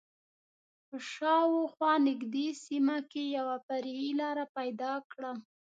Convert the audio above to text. په شا او خوا نږدې سیمه کې یوه فرعي لاره پیدا کړم.